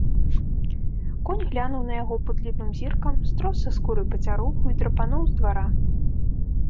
Конь глянуў на яго пудлівым зіркам, строс са скуры пацяруху і драпануў з двара.